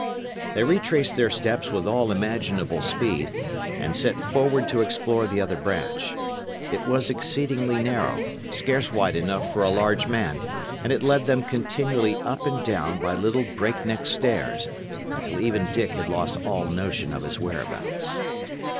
They retraced their steps with all imaginable speed, and set forward to explore the other branch. It was exceedingly narrow, scarce wide enough for a large man; and it led them continually up and down by little break neck stairs, until even Dick had lost all notion of his whereabouts.